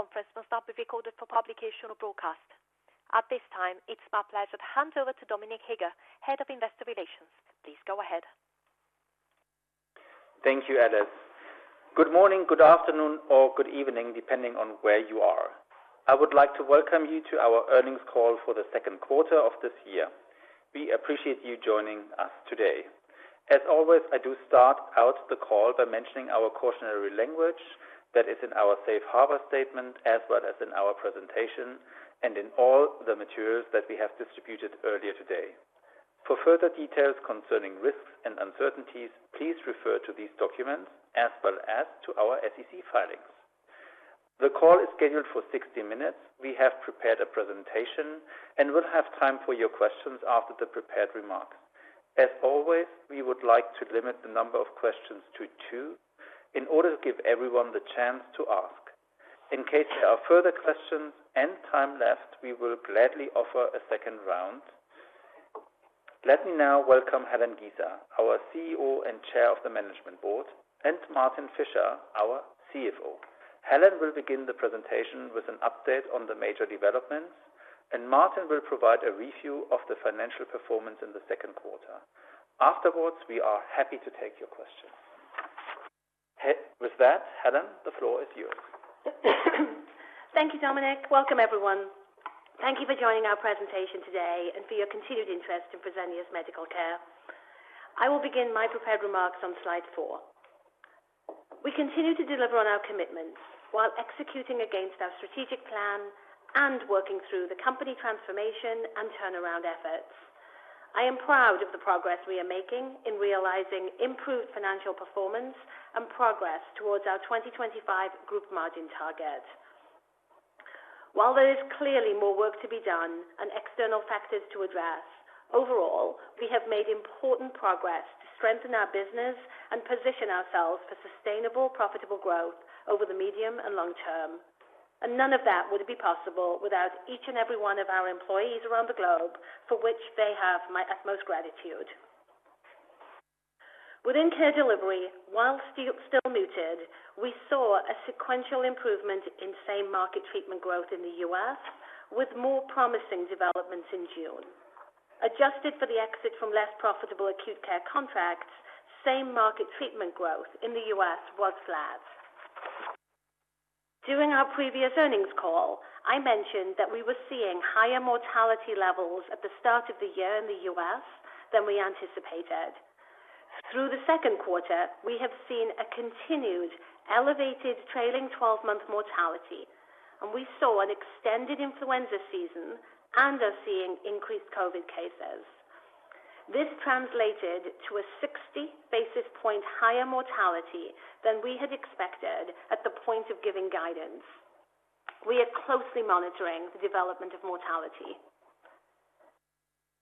Conference will stop if recorded for publication or broadcast. At this time, it's my pleasure to hand over to Dominik Heger, Head of Investor Relations. Please go ahead. Thank you, Alice. Good morning, good afternoon, or good evening, depending on where you are. I would like to welcome you to our earnings call for the second quarter of this year. We appreciate you joining us today. As always, I do start out the call by mentioning our cautionary language that is in our safe harbor statement, as well as in our presentation, and in all the materials that we have distributed earlier today. For further details concerning risks and uncertainties, please refer to these documents, as well as to our SEC filings. The call is scheduled for 60 minutes. We have prepared a presentation and will have time for your questions after the prepared remarks. As always, we would like to limit the number of questions to two in order to give everyone the chance to ask. In case there are further questions and time left, we will gladly offer a second round. Let me now welcome Helen Giza, our CEO and Chair of the Management Board, and Martin Fischer, our CFO. Helen will begin the presentation with an update on the major developments, and Martin will provide a review of the financial performance in the second quarter. Afterwards, we are happy to take your questions. With that, Helen, the floor is yours. Thank you, Dominik. Welcome, everyone. Thank you for joining our presentation today and for your continued interest in Fresenius Medical Care. I will begin my prepared remarks on slide four. We continue to deliver on our commitments while executing against our strategic plan and working through the company transformation and turnaround efforts. I am proud of the progress we are making in realizing improved financial performance and progress towards our 2025 group margin target. While there is clearly more work to be done and external factors to address, overall, we have made important progress to strengthen our business and position ourselves for sustainable, profitable growth over the medium and long term. None of that would be possible without each and every one of our employees around the globe, for which they have my utmost gratitude. Within Care Delivery, while still muted, we saw a sequential improvement in same-market treatment growth in the U.S., with more promising developments in June. Adjusted for the exit from less profitable acute care contracts, same-market treatment growth in the U.S. was flat. During our previous earnings call, I mentioned that we were seeing higher mortality levels at the start of the year in the U.S. than we anticipated. Through the second quarter, we have seen a continued elevated trailing 12-month mortality, and we saw an extended influenza season and are seeing increased COVID cases. This translated to a 60 basis point higher mortality than we had expected at the point of giving guidance. We are closely monitoring the development of mortality.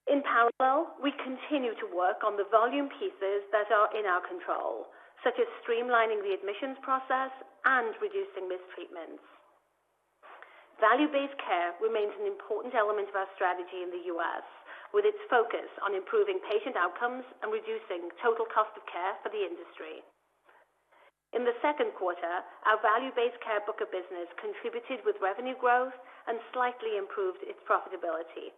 In parallel, we continue to work on the volume pieces that are in our control, such as streamlining the admissions process and reducing mistreatments. Value-based care remains an important element of our strategy in the U.S., with its focus on improving patient outcomes and reducing total cost of care for the industry. In the second quarter, our value-based care book of business contributed with revenue growth and slightly improved its profitability.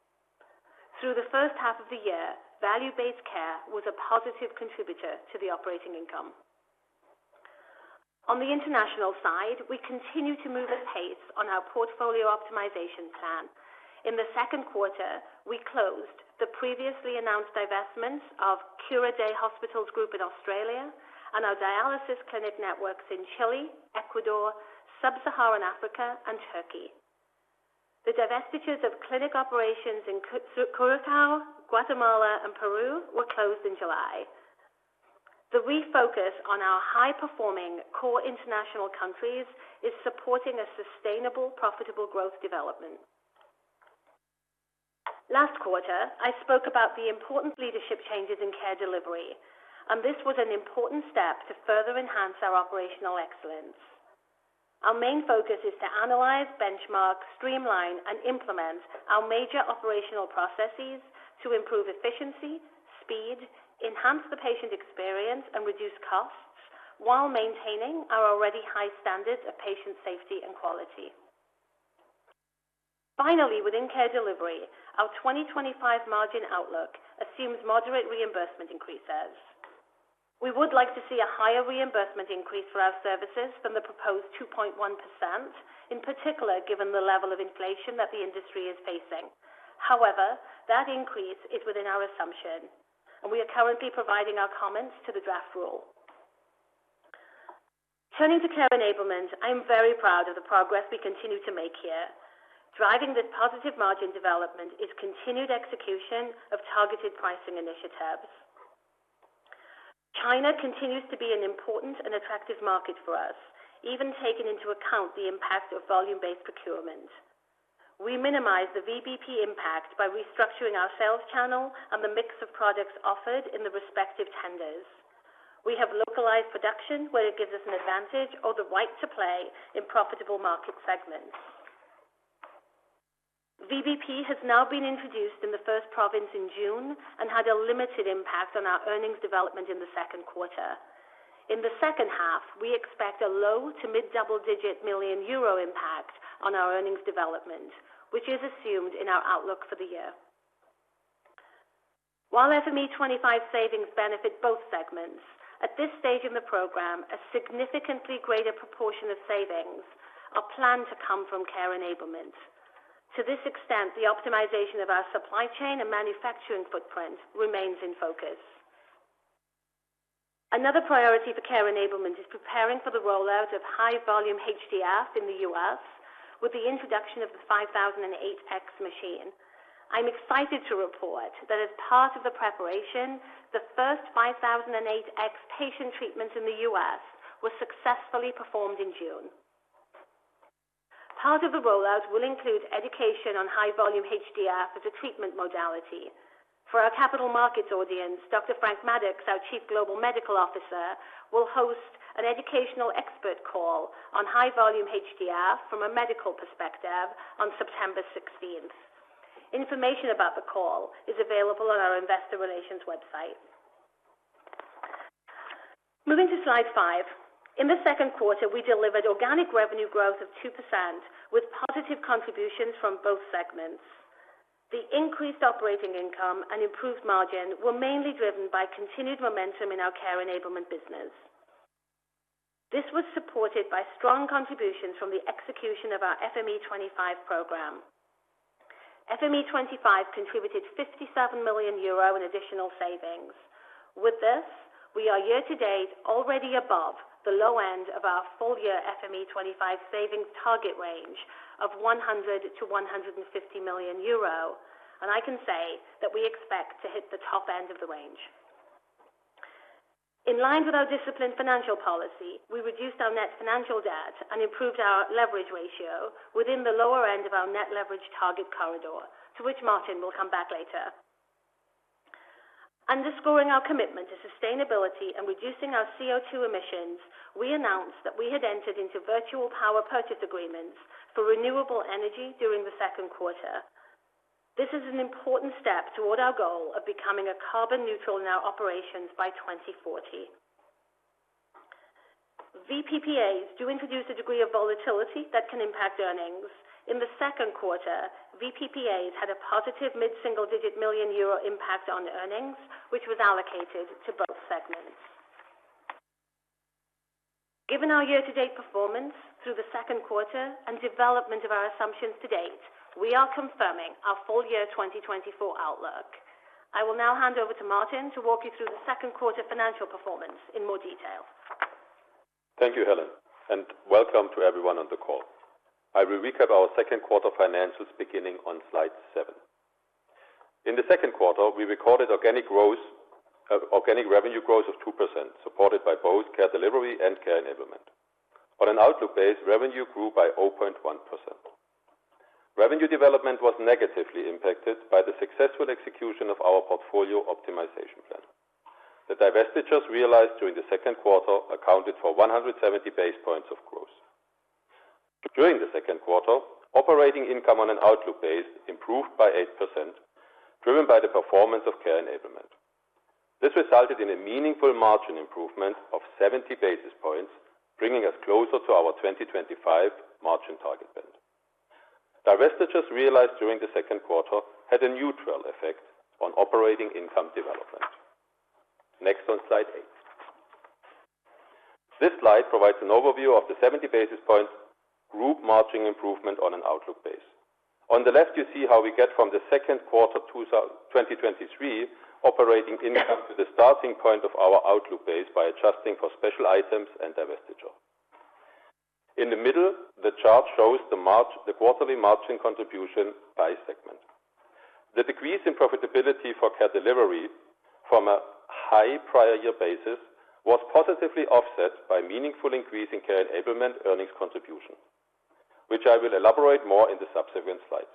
Through the first half of the year, value-based care was a positive contributor to the operating income. On the international side, we continue to move at pace on our portfolio optimization plan. In the second quarter, we closed the previously announced divestments of Cura Day Hospitals Group in Australia and our dialysis clinic networks in Chile, Ecuador, Sub-Saharan Africa, and Turkey. The divestitures of clinic operations in Curaçao, Guatemala, and Peru were closed in July. The refocus on our high-performing core international countries is supporting a sustainable, profitable growth development. Last quarter, I spoke about the important leadership changes in Care Delivery, and this was an important step to further enhance our operational excellence. Our main focus is to analyze, benchmark, streamline, and implement our major operational processes to improve efficiency, speed, enhance the patient experience, and reduce costs while maintaining our already high standards of patient safety and quality. Finally, within Care Delivery, our 2025 margin outlook assumes moderate reimbursement increases. We would like to see a higher reimbursement increase for our services than the proposed 2.1%, in particular given the level of inflation that the industry is facing. However, that increase is within our assumption, and we are currently providing our comments to the draft rule. Turning to Care Enablement, I am very proud of the progress we continue to make here. Driving this positive margin development is continued execution of targeted pricing initiatives. China continues to be an important and attractive market for us, even taking into account the impact of volume-based procurement. We minimize the VBP impact by restructuring our sales channel and the mix of products offered in the respective tenders. We have localized production where it gives us an advantage or the right to play in profitable market segments. VBP has now been introduced in the first province in June and had a limited impact on our earnings development in the second quarter. In the second half, we expect a low- to mid-double-digit million EUR impact on our earnings development, which is assumed in our outlook for the year. While FME25 savings benefit both segments, at this stage in the program, a significantly greater proportion of savings are planned to come from Care Enablement. To this extent, the optimization of our supply chain and manufacturing footprint remains in focus. Another priority for Care Enablement is preparing for the rollout of HighVolumeHDF in the U.S. with the introduction of the 5008X machine. I'm excited to report that as part of the preparation, the first 5008X patient treatments in the U.S. were successfully performed in June. Part of the rollout will include education on HighVolumeHDF as a treatment modality. For our capital markets audience, Dr. Franklin Maddux, our Chief Global Medical Officer, will host an educational expert call on HighVolumeHDF from a medical perspective on September 16th. Information about the call is available on our investor relations website. Moving to slide five. In the second quarter, we delivered organic revenue growth of 2% with positive contributions from both segments. The increased operating income and improved margin were mainly driven by continued momentum in our Care Enablement business. This was supported by strong contributions from the execution of our FME25 program. FME25 contributed 57 million euro in additional savings. With this, we are year-to-date already above the low end of our full-year FME25 savings target range of 100 million-150 million euro, and I can say that we expect to hit the top end of the range. In line with our disciplined financial policy, we reduced our net financial debt and improved our leverage ratio within the lower end of our net leverage target corridor, to which Martin will come back later. Underscoring our commitment to sustainability and reducing our CO2 emissions, we announced that we had entered into virtual power purchase agreements for renewable energy during the second quarter. This is an important step toward our goal of becoming carbon neutral in our operations by 2040. VPPAs do introduce a degree of volatility that can impact earnings. In the second quarter, VPPAs had a positive mid-single-digit million EUR impact on earnings, which was allocated to both segments. Given our year-to-date performance through the second quarter and development of our assumptions to date, we are confirming our full-year 2024 outlook. I will now hand over to Martin to walk you through the second quarter financial performance in more detail. Thank you, Helen, and welcome to everyone on the call. I will recap our second quarter financials beginning on slide seven. In the second quarter, we recorded organic revenue growth of 2%, supported by both Care Delivery and Care Enablement. On an outlook base, revenue grew by 0.1%. Revenue development was negatively impacted by the successful execution of our portfolio optimization plan. The divestitures realized during the second quarter accounted for 170 basis points of growth. During the second quarter, operating income on an outlook base improved by 8%, driven by the performance of Care Enablement. This resulted in a meaningful margin improvement of 70 basis points, bringing us closer to our 2025 margin target band. Divestitures realized during the second quarter had a neutral effect on operating income development. Next on slide eight. This slide provides an overview of the 70 basis points group margin improvement on an outlook base. On the left, you see how we get from the second quarter 2023 operating income to the starting point of our outlook base by adjusting for special items and divestiture. In the middle, the chart shows the quarterly margin contribution by segment. The decrease in profitability for Care Delivery from a high prior year basis was positively offset by meaningful increase in Care Enablement earnings contribution, which I will elaborate more in the subsequent slides.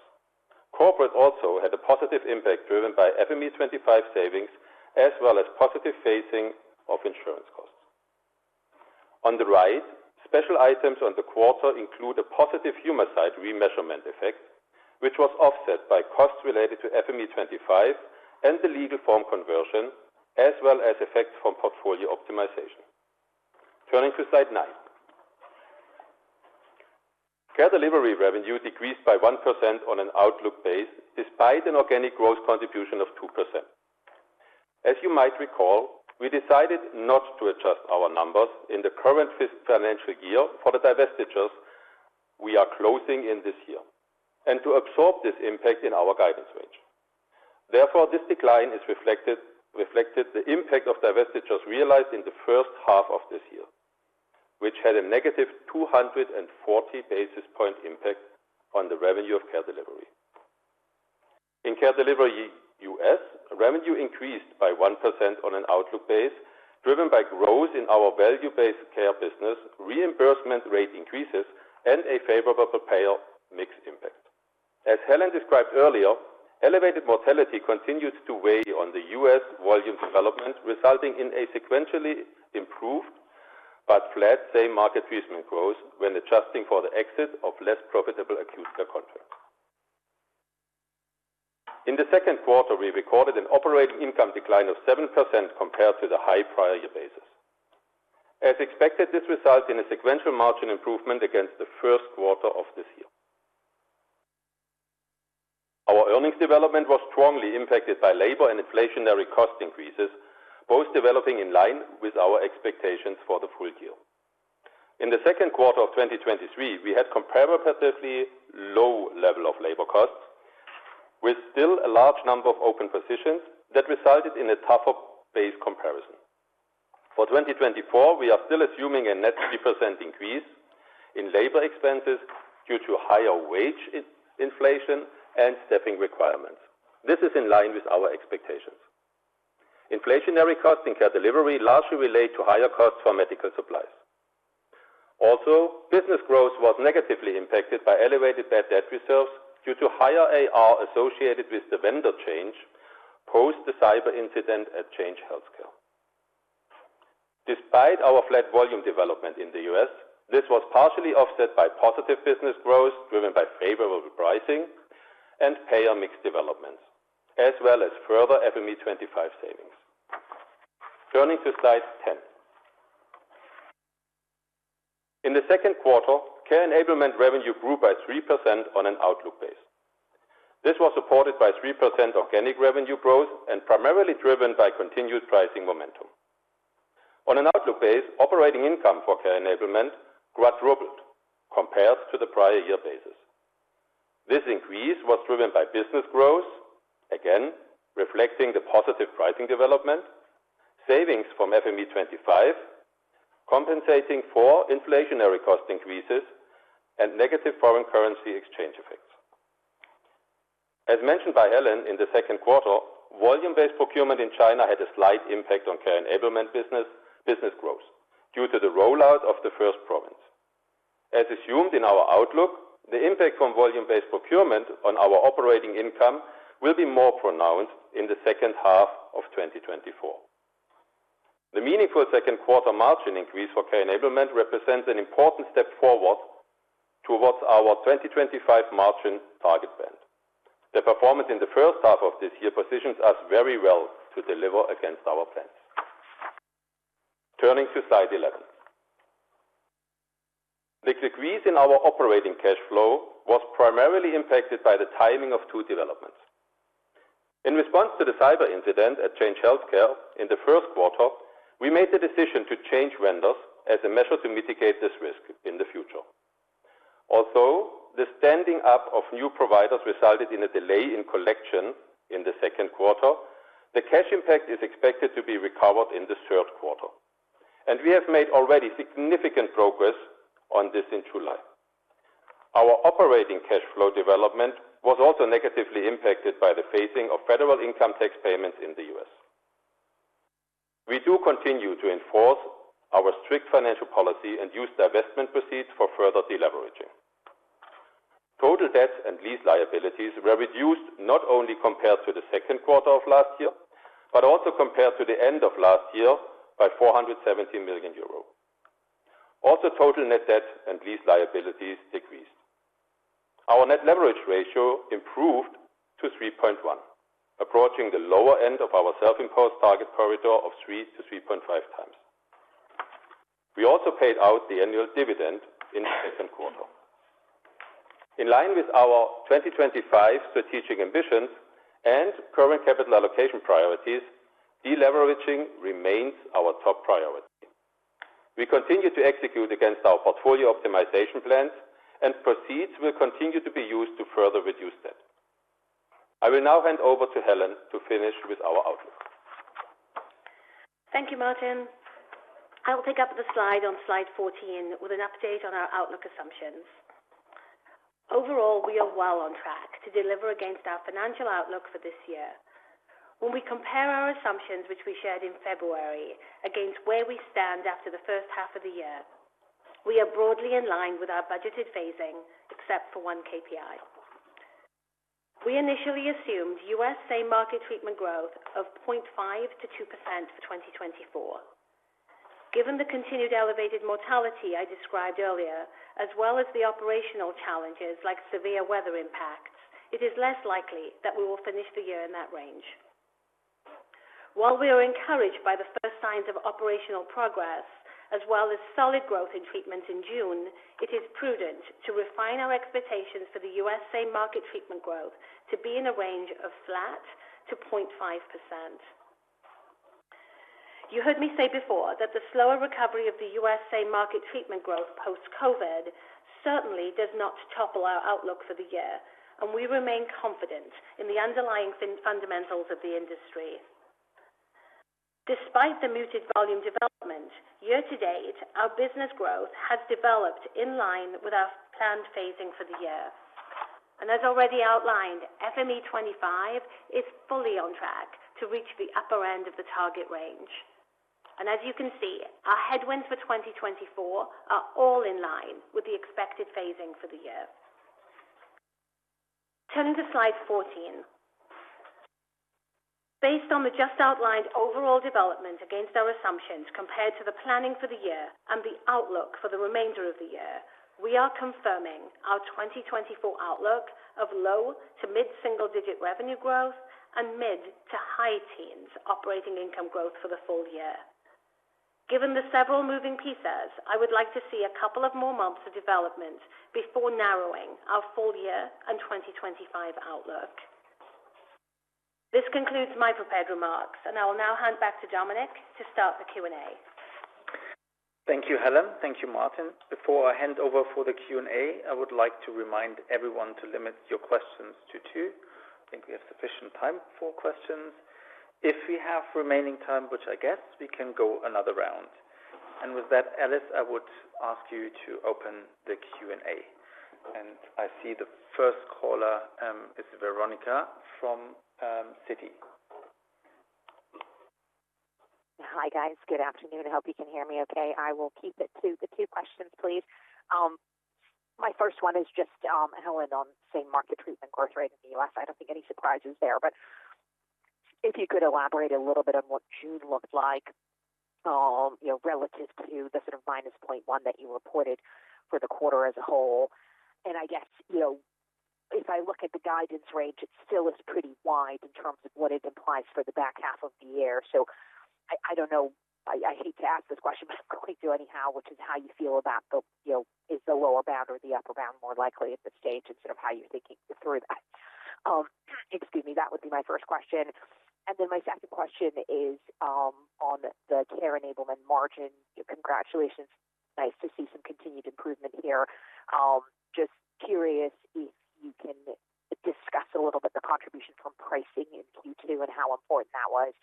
Corporate also had a positive impact driven by FME25 savings as well as positive phasing of insurance costs. On the right, special items on the quarter include a positive Humacyte remeasurement effect, which was offset by costs related to FME25 and the legal form conversion, as well as effects from portfolio optimization. Turning to slide nine, Care Delivery revenue decreased by 1% on an outlook base despite an organic growth contribution of 2%. As you might recall, we decided not to adjust our numbers in the current financial year for the divestitures we are closing in this year and to absorb this impact in our guidance range. Therefore, this decline is reflected in the impact of divestitures realized in the first half of this year, which had a negative 240 basis points impact on the revenue of Care Delivery. In Care Delivery U.S., revenue increased by 1% on an outlook base driven by growth in our value-based care business, reimbursement rate increases, and a favorable payout mix impact. As Helen described earlier, elevated mortality continues to weigh on the U.S. volume development, resulting in a sequentially improved but flat same-market treatment growth when adjusting for the exit of less profitable acute care contracts. In the second quarter, we recorded an operating income decline of 7% compared to the high prior year basis. As expected, this resulted in a sequential margin improvement against the first quarter of this year. Our earnings development was strongly impacted by labor and inflationary cost increases, both developing in line with our expectations for the full year. In the second quarter of 2023, we had comparatively low level of labor costs with still a large number of open positions that resulted in a tougher base comparison. For 2024, we are still assuming a net 2% increase in labor expenses due to higher wage inflation and staffing requirements. This is in line with our expectations. Inflationary costs in Care Delivery largely relate to higher costs for medical supplies. Also, business growth was negatively impacted by elevated bad debt reserves due to higher AR associated with the vendor change post the cyber incident at Change Healthcare. Despite our flat volume development in the U.S., this was partially offset by positive business growth driven by favorable pricing and payout mix developments, as well as further FME25 savings. Turning to slide 10. In the second quarter, Care Enablement revenue grew by 3% on an outlook base. This was supported by 3% organic revenue growth and primarily driven by continued pricing momentum. On an outlook base, operating income for Care Enablement quadrupled compared to the prior year basis. This increase was driven by business growth, again reflecting the positive pricing development, savings from FME25 compensating for inflationary cost increases and negative foreign currency exchange effects. As mentioned by Helen in the second quarter, volume-based procurement in China had a slight impact on Care Enablement business growth due to the rollout of the first province. As assumed in our outlook, the impact from volume-based procurement on our operating income will be more pronounced in the second half of 2024. The meaningful second quarter margin increase for Care Enablement represents an important step forward towards our FME25 margin target band. The performance in the first half of this year positions us very well to deliver against our plans. Turning to slide 11. The decrease in our operating cash flow was primarily impacted by the timing of two developments. In response to the cyber incident at Change Healthcare in the first quarter, we made the decision to change vendors as a measure to mitigate this risk in the future. Although the standing up of new providers resulted in a delay in collection in the second quarter, the cash impact is expected to be recovered in the third quarter, and we have made already significant progress on this in July. Our operating cash flow development was also negatively impacted by the phasing of federal income tax payments in the U.S. We do continue to enforce our strict financial policy and use divestment proceeds for further deleveraging. Total debts and lease liabilities were reduced not only compared to the second quarter of last year, but also compared to the end of last year by 470 million euro. Also, total net debt and lease liabilities decreased. Our net leverage ratio improved to 3.1, approaching the lower end of our self-imposed target corridor of 3x-3.5x. We also paid out the annual dividend in the second quarter. In line with our 2025 strategic ambitions and current capital allocation priorities, deleveraging remains our top priority. We continue to execute against our portfolio optimization plans, and proceeds will continue to be used to further reduce debt. I will now hand over to Helen to finish with our outlook. Thank you, Martin. I will pick up the slide on slide 14 with an update on our outlook assumptions. Overall, we are well on track to deliver against our financial outlook for this year. When we compare our assumptions, which we shared in February, against where we stand after the first half of the year, we are broadly in line with our budgeted phasing, except for one KPI. We initially assumed U.S. same-market treatment growth of 0.5%-2% for 2024. Given the continued elevated mortality I described earlier, as well as the operational challenges like severe weather impacts, it is less likely that we will finish the year in that range. While we are encouraged by the first signs of operational progress, as well as solid growth in treatment in June, it is prudent to refine our expectations for the U.S. same-market treatment growth to be in a range of flat to 0.5%. You heard me say before that the slower recovery of the U.S. same-market treatment growth post-COVID certainly does not topple our outlook for the year, and we remain confident in the underlying fundamentals of the industry. Despite the muted volume development, year-to-date, our business growth has developed in line with our planned phasing for the year. As already outlined, FME25 is fully on track to reach the upper end of the target range. As you can see, our headwinds for 2024 are all in line with the expected phasing for the year. Turning to slide 14. Based on the just outlined overall development against our assumptions compared to the planning for the year and the outlook for the remainder of the year, we are confirming our 2024 outlook of low to mid-single-digit revenue growth and mid to high teens operating income growth for the full year. Given the several moving pieces, I would like to see a couple of more months of development before narrowing our full year and 2025 outlook. This concludes my prepared remarks, and I will now hand back to Dominik to start the Q&A. Thank you, Helen. Thank you, Martin. Before I hand over for the Q&A, I would like to remind everyone to limit your questions to two. I think we have sufficient time for questions. If we have remaining time, which I guess, we can go another round. And with that, Alice, I would ask you to open the Q&A. And I see the first caller is Veronika from Citi. Hi, guys. Good afternoon. I hope you can hear me okay. I will keep it to the two questions, please. My first one is just, Helen, on same-market treatment growth rate in the US. I don't think any surprise is there, but if you could elaborate a little bit on what June looked like relative to the sort of -0.1% that you reported for the quarter as a whole. And I guess if I look at the guidance range, it still is pretty wide in terms of what it implies for the back half of the year. So I don't know. I hate to ask this question, but I'm going to anyhow, which is how you feel about the is the lower bound or the upper bound more likely at this stage instead of how you're thinking through that. Excuse me. That would be my first question. And then my second question is on the Care Enablement margin. Congratulations. Nice to see some continued improvement here. Just curious if you can discuss a little bit the contribution from pricing in Q2 and how important that was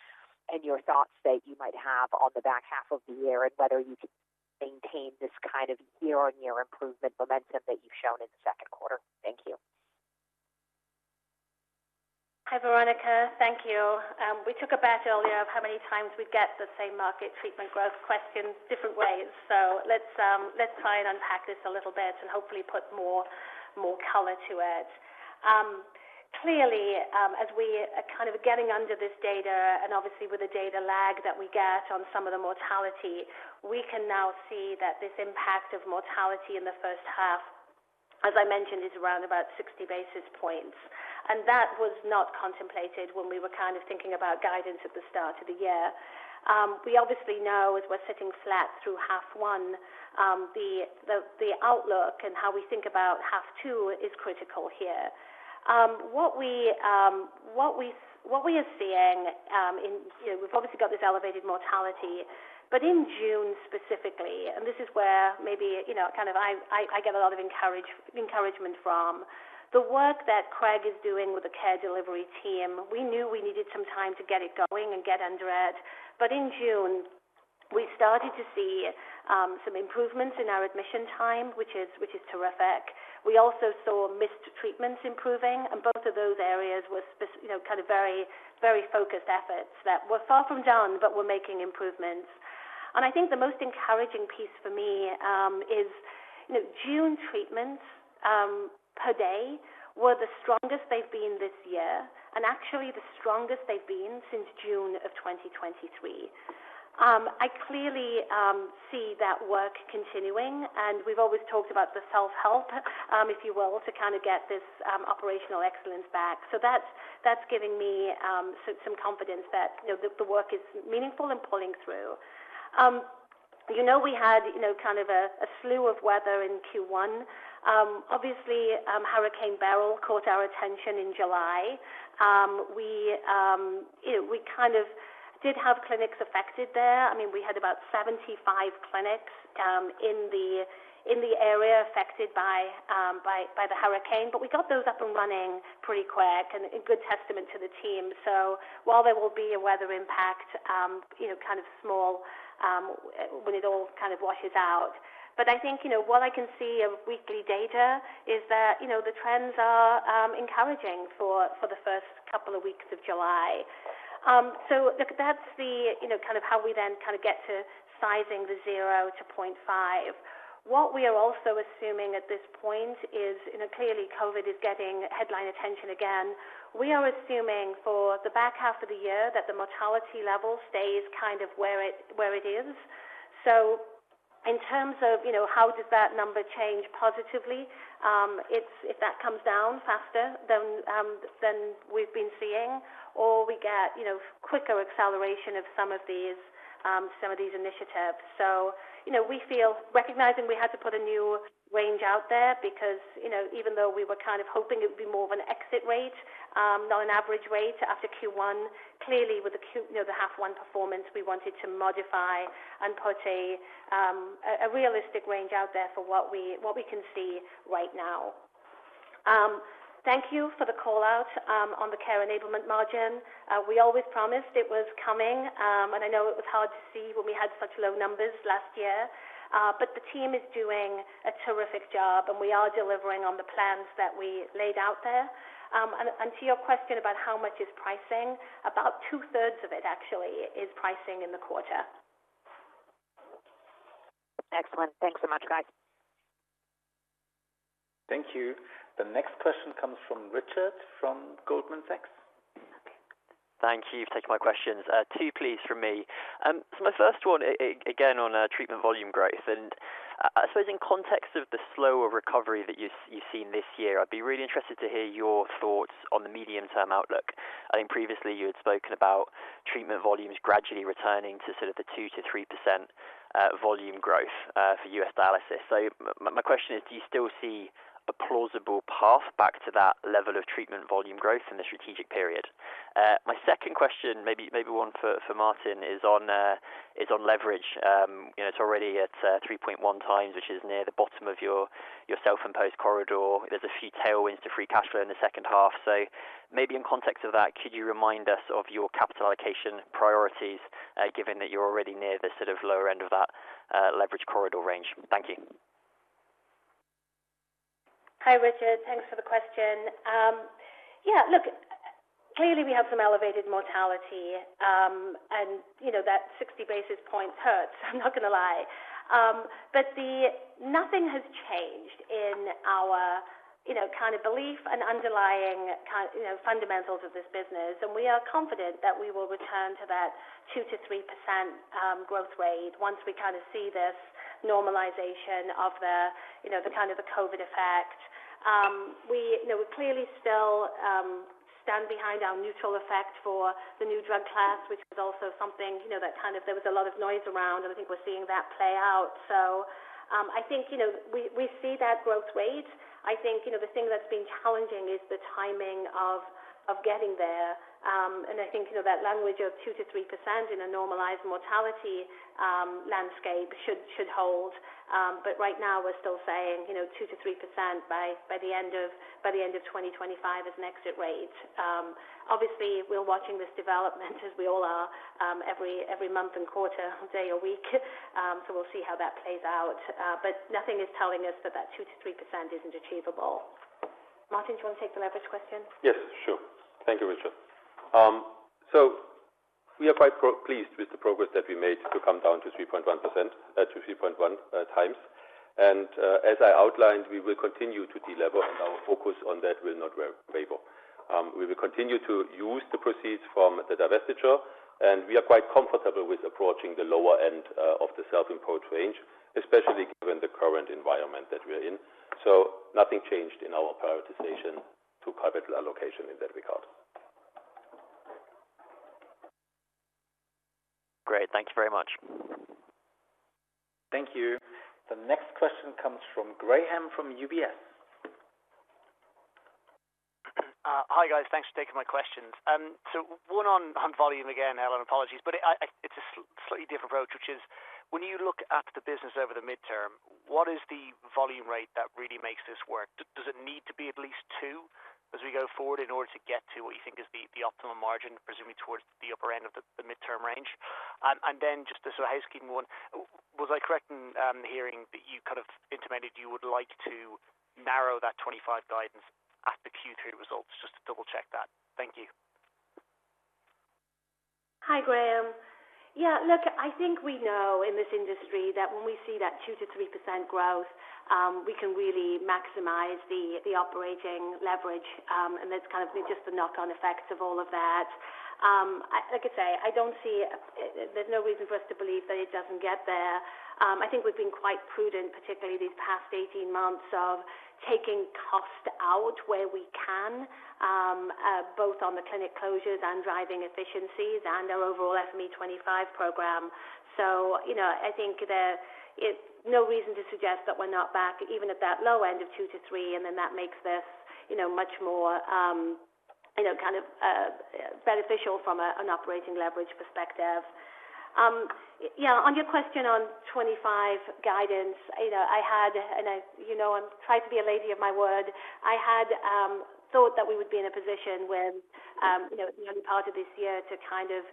and your thoughts that you might have on the back half of the year and whether you can maintain this kind of year-on-year improvement momentum that you've shown in the second quarter. Thank you. Hi, Veronika. Thank you. We took a bet earlier of how many times we get the same-market treatment growth question different ways. So let's try and unpack this a little bit and hopefully put more color to it. Clearly, as we are kind of getting under this data and obviously with the data lag that we get on some of the mortality, we can now see that this impact of mortality in the first half, as I mentioned, is around about 60 basis points. And that was not contemplated when we were kind of thinking about guidance at the start of the year. We obviously know as we're sitting flat through half one, the outlook and how we think about half two is critical here. What we are seeing, we've obviously got this elevated mortality, but in June specifically, and this is where maybe kind of I get a lot of encouragement from the work that Craig is doing with the Care Delivery team. We knew we needed some time to get it going and get under it. But in June, we started to see some improvements in our admission time, which is terrific. We also saw missed treatments improving. And both of those areas were kind of very focused efforts that were far from done, but were making improvements. And I think the most encouraging piece for me is June treatments per day were the strongest they've been this year and actually the strongest they've been since June of 2023. I clearly see that work continuing. And we've always talked about the self-help, if you will, to kind of get this operational excellence back. So that's giving me some confidence that the work is meaningful and pulling through. We had kind of a slew of weather in Q1. Obviously, Hurricane Beryl caught our attention in July. We kind of did have clinics affected there. I mean, we had about 75 clinics in the area affected by the hurricane, but we got those up and running pretty quick and good testament to the team. So while there will be a weather impact, kind of small when it all kind of washes out. But I think what I can see of weekly data is that the trends are encouraging for the first couple of weeks of July. So that's kind of how we then kind of get to sizing the 0-0.5. What we are also assuming at this point is clearly COVID is getting headline attention again. We are assuming for the back half of the year that the mortality level stays kind of where it is. So in terms of how does that number change positively, if that comes down faster than we've been seeing, or we get quicker acceleration of some of these initiatives. So we feel, recognizing we had to put a new range out there, because even though we were kind of hoping it would be more of an exit rate, not an average rate after Q1, clearly with the half one performance, we wanted to modify and put a realistic range out there for what we can see right now. Thank you for the call out on the Care Enablement margin. We always promised it was coming, and I know it was hard to see when we had such low numbers last year. But the team is doing a terrific job, and we are delivering on the plans that we laid out there. To your question about how much is pricing, about 2/3 of it actually is pricing in the quarter. Excellent. Thanks so much, guys. Thank you. The next question comes from Richard from Goldman Sachs. Thank you for taking my questions. Two, please, from me. So my first one, again, on treatment volume growth. And I suppose in context of the slower recovery that you've seen this year, I'd be really interested to hear your thoughts on the medium-term outlook. I think previously you had spoken about treatment volumes gradually returning to sort of the 2%-3% volume growth for U.S. dialysis. So my question is, do you still see a plausible path back to that level of treatment volume growth in the strategic period? My second question, maybe one for Martin, is on leverage. It's already at 3.1x, which is near the bottom of your self-imposed corridor. There's a few tailwinds to free cash flow in the second half. Maybe in context of that, could you remind us of your capital allocation priorities given that you're already near the sort of lower end of that leverage corridor range? Thank you. Hi, Richard. Thanks for the question. Yeah, look, clearly we have some elevated mortality, and that 60 basis points hurts. I'm not going to lie. But nothing has changed in our kind of belief and underlying fundamentals of this business. And we are confident that we will return to that 2%-3% growth rate once we kind of see this normalization of the kind of the COVID effect. We clearly still stand behind our neutral effect for the new drug class, which was also something that kind of there was a lot of noise around, and I think we're seeing that play out. So I think we see that growth rate. I think the thing that's been challenging is the timing of getting there. And I think that language of 2%-3% in a normalized mortality landscape should hold. But right now, we're still saying 2%-3% by the end of 2025 as an exit rate. Obviously, we're watching this development as we all are every month and quarter, day or week. So we'll see how that plays out. But nothing is telling us that that 2%-3% isn't achievable. Martin, do you want to take the leverage question? Yes, sure. Thank you, Richard. So we are quite pleased with the progress that we made to come down to 3.1%, to 3.1x. And as I outlined, we will continue to delever, and our focus on that will not waver. We will continue to use the proceeds from the divestiture. And we are quite comfortable with approaching the lower end of the self-imposed range, especially given the current environment that we're in. So nothing changed in our prioritization to capital allocation in that regard. Great. Thank you very much. Thank you. The next question comes from Graham from UBS. Hi, guys. Thanks for taking my questions. So one on volume again, Helen, apologies. But it's a slightly different approach, which is when you look at the business over the midterm, what is the volume rate that really makes this work? Does it need to be at least two as we go forward in order to get to what you think is the optimum margin, presumably towards the upper end of the midterm range? And then just as a housekeeping one, was I correct in hearing that you kind of intimated you would like to narrow that 25 guidance at the Q3 results just to double-check that? Thank you. Hi, Graham. Yeah, look, I think we know in this industry that when we see that 2%-3% growth, we can really maximize the operating leverage. And that's kind of just the knock-on effects of all of that. Like I say, I don't see there's no reason for us to believe that it doesn't get there. I think we've been quite prudent, particularly these past 18 months, of taking cost out where we can, both on the clinic closures and driving efficiencies and our overall FME25 program. So I think there is no reason to suggest that we're not back even at that low end of 2%-3%, and then that makes this much more kind of beneficial from an operating leverage perspective. Yeah, on your question on 25 guidance, I had, and I'm trying to be a lady of my word, I had thought that we would be in a position where the early part of this year to kind of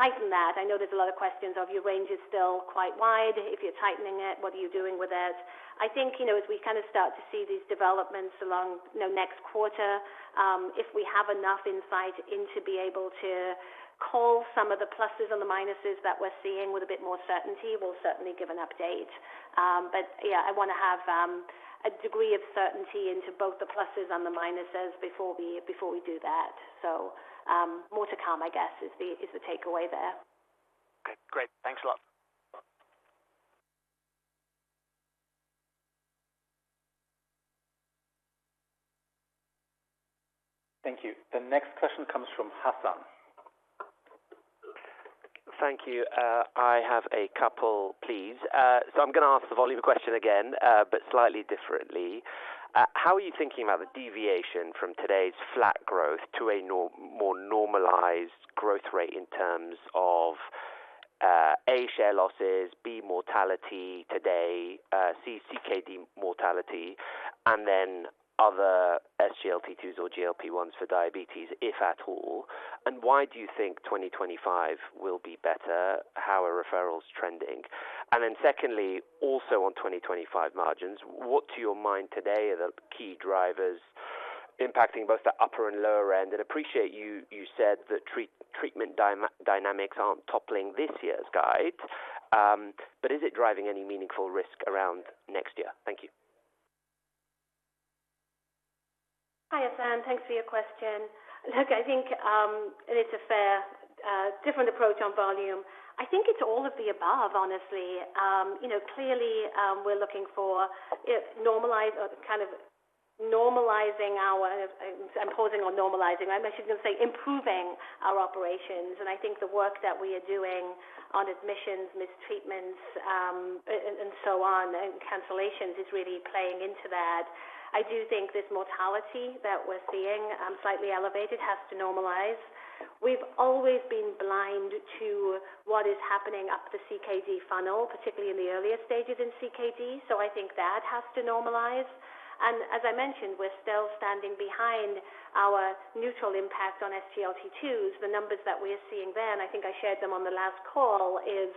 tighten that. I know there's a lot of questions of your range is still quite wide. If you're tightening it, what are you doing with it? I think as we kind of start to see these developments along next quarter, if we have enough insight into being able to call some of the pluses and the minuses that we're seeing with a bit more certainty, we'll certainly give an update. But yeah, I want to have a degree of certainty into both the pluses and the minuses before we do that. So more to come, I guess, is the takeaway there. Okay. Great. Thanks a lot. Thank you. The next question comes from Hassan. Thank you. I have a couple, please. So I'm going to ask the volume question again, but slightly differently. How are you thinking about the deviation from today's flat growth to a more normalized growth rate in terms of A, share losses; B, mortality today; C, CKD mortality; and then other SGLT2s or GLP-1s for diabetes, if at all? And why do you think 2025 will be better? How are referrals trending? And then secondly, also on 2025 margins, what to your mind today are the key drivers impacting both the upper and lower end? And I appreciate you said that treatment dynamics aren't toppling this year's guide. But is it driving any meaningful risk around next year? Thank you. Hi, Hassan. Thanks for your question. Look, I think it's a fairly different approach on volume. I think it's all of the above, honestly. Clearly, we're looking for kind of normalizing our—I'm pausing on normalizing. I'm actually going to say improving our operations. And I think the work that we are doing on admissions, mistreatments, and so on, and cancellations is really playing into that. I do think this mortality that we're seeing, slightly elevated, has to normalize. We've always been blind to what is happening up the CKD funnel, particularly in the earlier stages in CKD. So I think that has to normalize. And as I mentioned, we're still standing behind our neutral impact on SGLT2s. The numbers that we're seeing there, and I think I shared them on the last call, is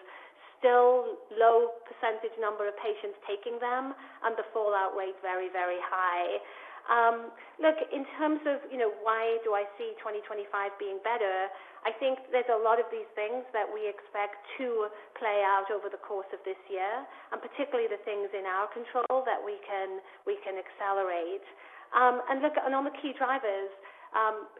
still low percentage number of patients taking them, and the fallout rate very, very high. Look, in terms of why do I see 2025 being better, I think there's a lot of these things that we expect to play out over the course of this year, and particularly the things in our control that we can accelerate. Look, on the key drivers,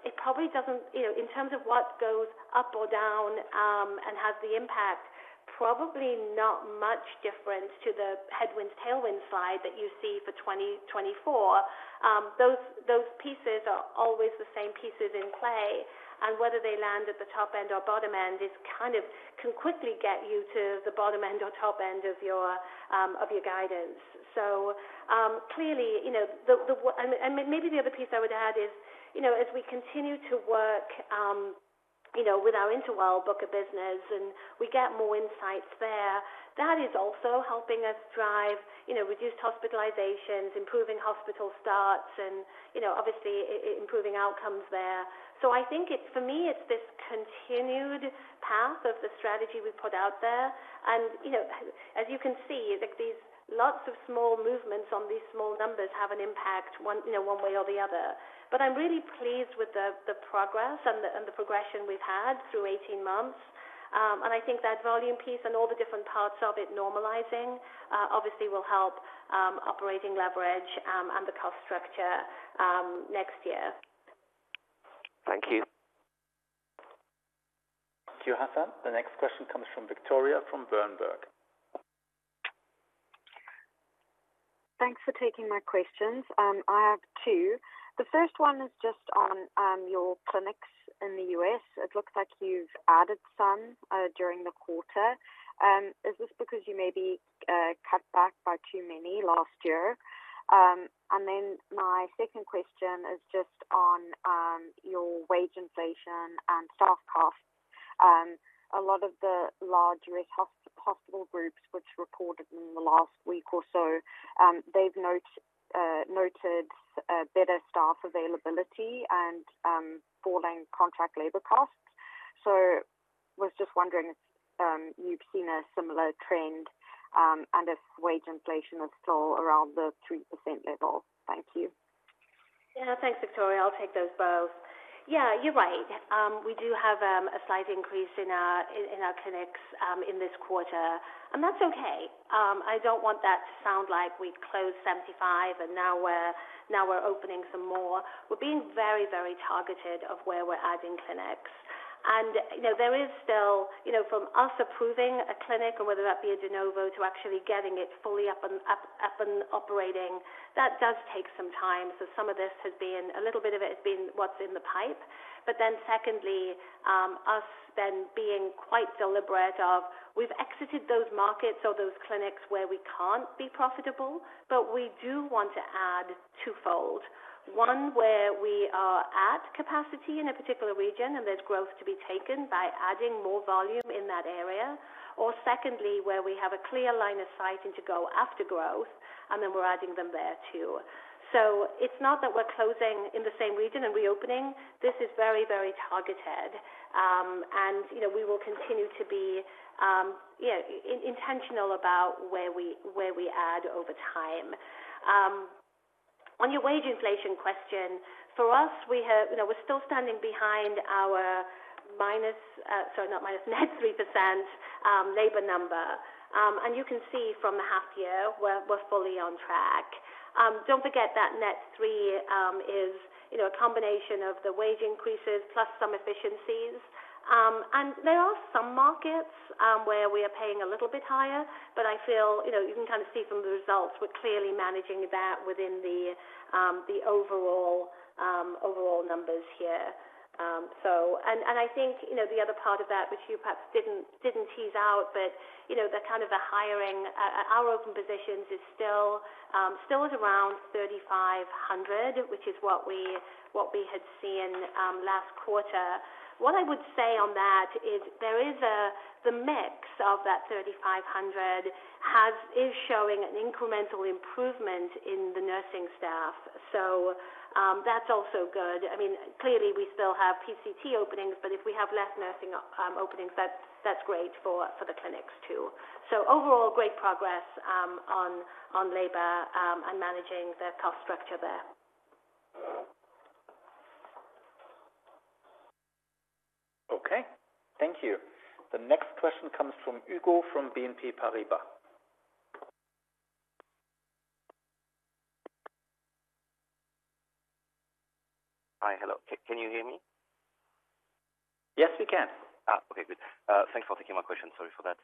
it probably doesn't in terms of what goes up or down and has the impact, probably not much different to the headwinds, tailwinds slide that you see for 2024. Those pieces are always the same pieces in play. And whether they land at the top end or bottom end can quickly get you to the bottom end or top end of your guidance. So clearly, and maybe the other piece I would add is as we continue to work with our interval book of business and we get more insights there, that is also helping us drive reduced hospitalizations, improving hospital starts, and obviously improving outcomes there. So I think for me, it's this continued path of the strategy we put out there. And as you can see, these lots of small movements on these small numbers have an impact one way or the other. But I'm really pleased with the progress and the progression we've had through 18 months. And I think that volume piece and all the different parts of it normalizing obviously will help operating leverage and the cost structure next year. Thank you. Thank you, Hassan. The next question comes from Victoria from Berenberg. Thanks for taking my questions. I have two. The first one is just on your clinics in the U.S. It looks like you've added some during the quarter. Is this because you maybe cut back by too many last year? And then my second question is just on your wage inflation and staff costs. A lot of the large U.S. hospital groups, which reported in the last week or so, they've noted better staff availability and falling contract labor costs. So I was just wondering if you've seen a similar trend and if wage inflation is still around the 3% level. Thank you. Yeah, thanks, Victoria. I'll take those both. Yeah, you're right. We do have a slight increase in our clinics in this quarter. And that's okay. I don't want that to sound like we've closed 75 and now we're opening some more. We're being very, very targeted of where we're adding clinics. And there is still from us approving a clinic, whether that be a de novo, to actually getting it fully up and operating, that does take some time. So some of this has been a little bit of it has been what's in the pipe. But then secondly, us then being quite deliberate of we've exited those markets or those clinics where we can't be profitable, but we do want to add twofold. One where we are at capacity in a particular region and there's growth to be taken by adding more volume in that area. Or secondly, where we have a clear line of sight to go after growth, and then we're adding them there too. So it's not that we're closing in the same region and reopening. This is very, very targeted. And we will continue to be intentional about where we add over time. On your wage inflation question, for us, we're still standing behind our minus—sorry, not minus—net 3% labor number. And you can see from the half year, we're fully on track. Don't forget that net 3% is a combination of the wage increases plus some efficiencies. And there are some markets where we are paying a little bit higher, but I feel you can kind of see from the results we're clearly managing that within the overall numbers here. I think the other part of that, which you perhaps didn't tease out, but the kind of hiring, our open positions is still around 3,500, which is what we had seen last quarter. What I would say on that is there is the mix of that 3,500 is showing an incremental improvement in the nursing staff. So that's also good. I mean, clearly, we still have PCT openings, but if we have less nursing openings, that's great for the clinics too. So overall, great progress on labor and managing the cost structure there. Okay. Thank you. The next question comes from Hugo from BNP Paribas. Hi, hello. Can you hear me? Yes, we can. Okay, good. Thanks for taking my question. Sorry for that.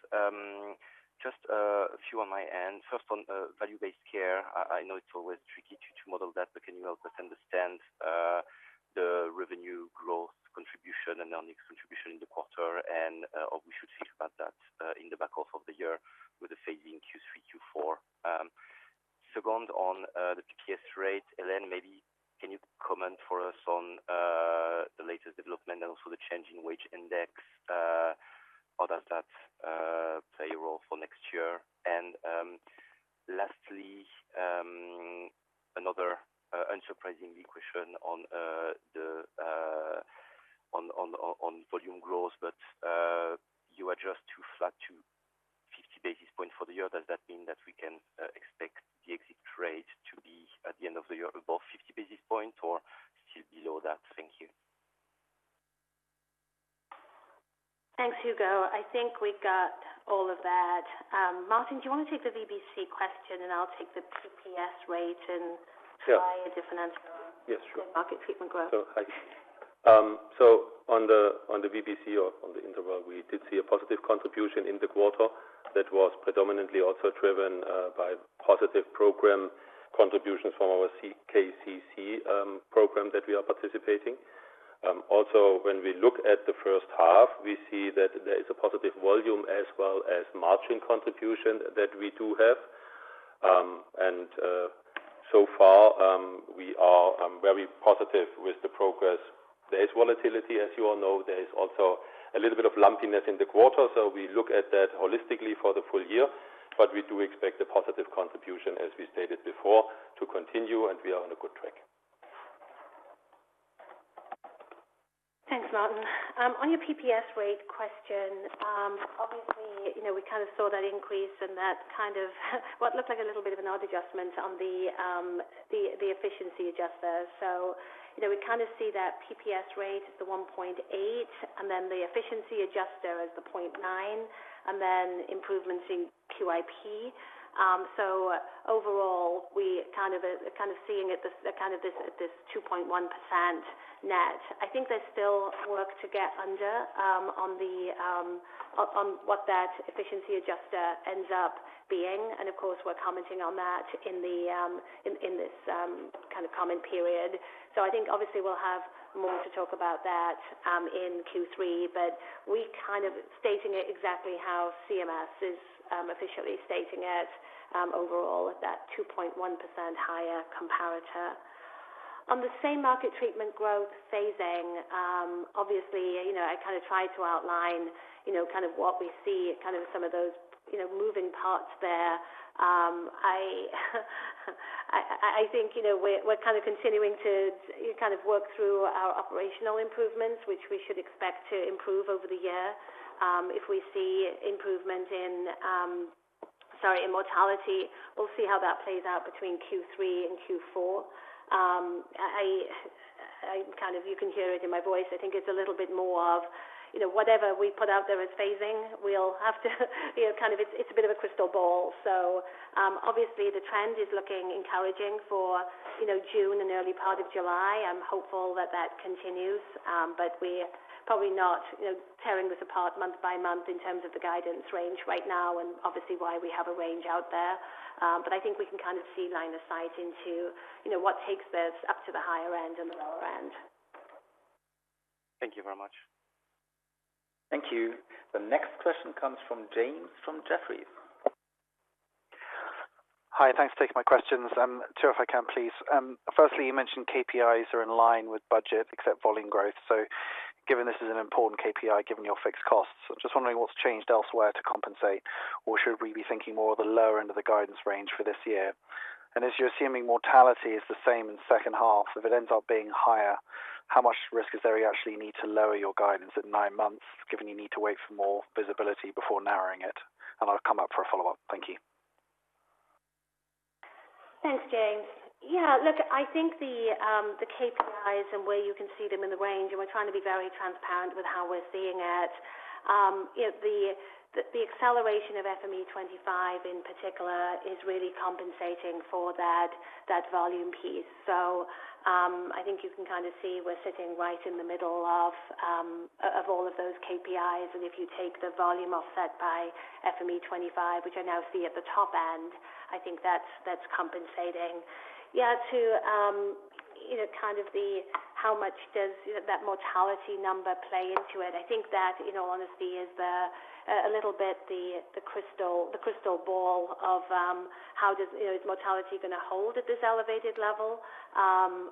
Just a few on my end. First on value-based care. I know it's always tricky to model that, but can you help us understand the revenue growth contribution and earnings contribution in the quarter? And we should think about that in the back of the year with the phasing Q3, Q4. Second on the PPS rate, Helen, maybe can you comment for us on the latest development and also the changing wage index? How does that play a role for next year? And lastly, another unsurprisingly question on volume growth, but you adjust too flat to 50 basis points for the year. Does that mean that we can expect the exit rate to be at the end of the year above 50 basis points or still below that? Thank you. Thanks, Hugo. I think we got all of that. Martin, do you want to take the VBC question, and I'll take the PPS rate and provide a different answer on market treatment growth? Yeah, sure. So on the VBC or on the interval, we did see a positive contribution in the quarter that was predominantly also driven by positive program contributions from our CKCC program that we are participating. Also, when we look at the first half, we see that there is a positive volume as well as margin contribution that we do have. And so far, we are very positive with the progress. There is volatility, as you all know. There is also a little bit of lumpiness in the quarter. So we look at that holistically for the full year. But we do expect a positive contribution, as we stated before, to continue, and we are on a good track. Thanks, Martin. On your PPS rate question, obviously, we kind of saw that increase in that kind of what looked like a little bit of an adjustment on the efficiency adjuster. So we kind of see that PPS rate is the 1.8, and then the efficiency adjuster is the 0.9, and then improvements in QIP. So overall, we kind of seeing kind of this 2.1% net. I think there's still work to get under on what that efficiency adjuster ends up being. And of course, we're commenting on that in this kind of comment period. So I think obviously we'll have more to talk about that in Q3, but we kind of stating it exactly how CMS is officially stating it overall at that 2.1% higher comparator. On the same-market treatment growth phasing, obviously, I kind of tried to outline kind of what we see, kind of some of those moving parts there. I think we're kind of continuing to kind of work through our operational improvements, which we should expect to improve over the year. If we see improvement in, sorry, in mortality, we'll see how that plays out between Q3 and Q4. You can hear it in my voice. I think it's a little bit more of whatever we put out there as phasing, we'll have to kind of it's a bit of a crystal ball. So obviously, the trend is looking encouraging for June and early part of July. I'm hopeful that that continues, but we're probably not tearing this apart month by month in terms of the guidance range right now, and obviously why we have a range out there. I think we can kind of see line of sight into what takes this up to the higher end and the lower end. Thank you very much. Thank you. The next question comes from James from Jefferies. Hi, thanks for taking my questions. I'm sure if I can, please. Firstly, you mentioned KPIs are in line with budget except volume growth. So given this is an important KPI, given your fixed costs, I'm just wondering what's changed elsewhere to compensate, or should we be thinking more of the lower end of the guidance range for this year? And as you're assuming mortality is the same in second half, if it ends up being higher, how much risk is there you actually need to lower your guidance at nine months, given you need to wait for more visibility before narrowing it? And I'll come back for a follow-up. Thank you. Thanks, James. Yeah, look, I think the KPIs and where you can see them in the range, and we're trying to be very transparent with how we're seeing it. The acceleration of FME 25 in particular is really compensating for that volume piece. So I think you can kind of see we're sitting right in the middle of all of those KPIs. And if you take the volume offset by FME25, which I now see at the top end, I think that's compensating. Yeah, to kind of the how much does that mortality number play into it? I think that, in all honesty, is a little bit the crystal ball of how is mortality going to hold at this elevated level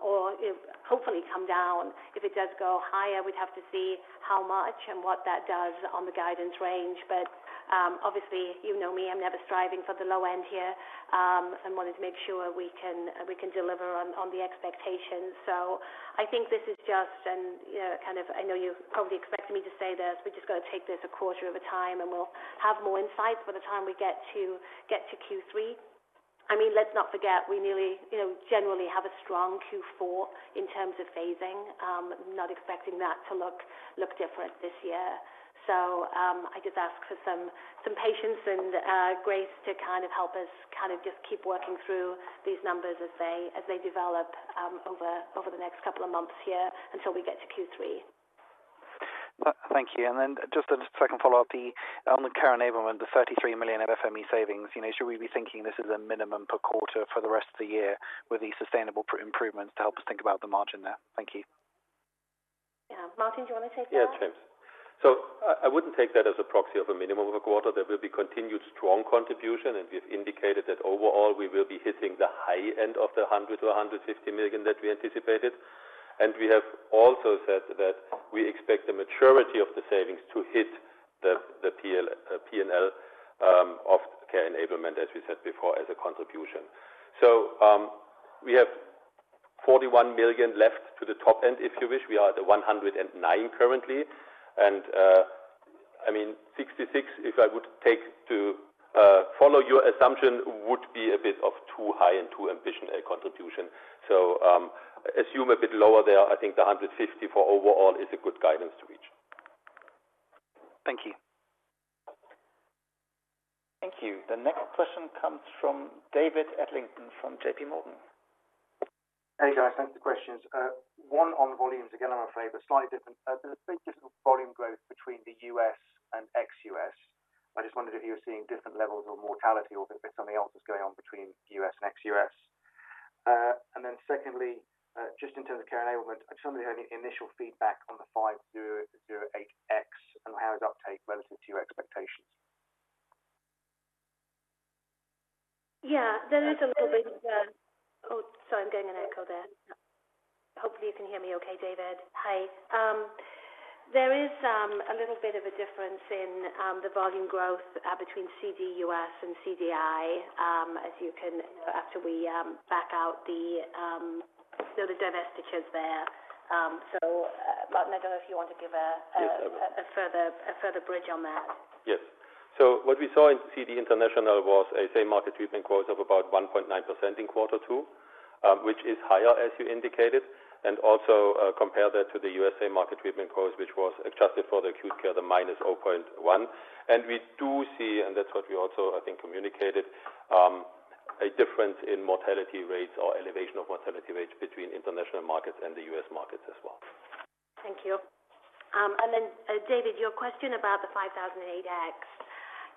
or hopefully come down. If it does go higher, we'd have to see how much and what that does on the guidance range. But obviously, you know me, I'm never striving for the low end here. I wanted to make sure we can deliver on the expectations. So I think this is just kind of, I know you probably expect me to say this. We're just going to take this a quarter at a time, and we'll have more insights by the time we get to Q3. I mean, let's not forget, we generally have a strong Q4 in terms of phasing. I'm not expecting that to look different this year. So I just ask for some patience and grace to kind of help us kind of just keep working through these numbers as they develop over the next couple of months here until we get to Q3. Thank you. And then just a second follow-up. On the Care Enablement, the 33 million of FME savings, should we be thinking this is a minimum per quarter for the rest of the year with these sustainable improvements to help us think about the margin there? Thank you. Yeah. Martin, do you want to take that? Yeah, James. So I wouldn't take that as a proxy of a minimum of a quarter. There will be continued strong contribution, and we've indicated that overall we will be hitting the high end of the 100 million-150 million that we anticipated. And we have also said that we expect the maturity of the savings to hit the P&L of Care Enablement, as we said before, as a contribution. So we have 41 million left to the top end, if you wish. We are at 109 million currently. And I mean, 66, if I would take to follow your assumption, would be a bit of too high and too ambitious a contribution. So assume a bit lower there. I think the 150 million for overall is a good guidance to reach. Thank you. Thank you. The next question comes from David Adlington from JPMorgan. Hey, guys. Thanks for the questions. One on volumes, again, I'm afraid, but slightly different. There's a big difference in volume growth between the U.S. and ex-U.S. I just wondered if you were seeing different levels of mortality or if something else was going on between U.S. and ex-U.S. And then secondly, just in terms of Care Enablement, I just wanted to hear any initial feedback on the 5008X and how is uptake relative to your expectations? Yeah, there is a little bit of a—oh, sorry, I'm getting an echo there. Hopefully, you can hear me okay, David. Hi. There is a little bit of a difference in the volume growth between CDUS and CDI, as you can after we back out the divestitures there. So Martin, I don't know if you want to give a further bridge on that. Yes. So what we saw in CD International was a same-market treatment growth of about 1.9% in quarter two, which is higher, as you indicated. And also compare that to the U.S. market treatment growth, which was adjusted for the acute care, the -0.1%. And we do see, and that's what we also, I think, communicated, a difference in mortality rates or elevation of mortality rates between international markets and the U.S. markets as well. Thank you. And then, David, your question about the 5008X.